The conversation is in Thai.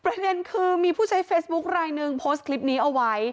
ประเด็นคือมีผู้ใช้เฟซบุ๊คลายหนึ่งโพสต์คลิปนี้เอาไว้